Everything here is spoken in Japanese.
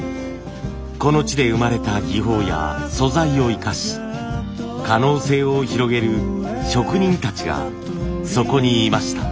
この地で生まれた技法や素材を生かし可能性を広げる職人たちがそこにいました。